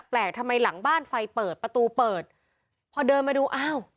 ทำไมหลังบ้านไฟเปิดประตูเปิดพอเดินมาดูอ้าว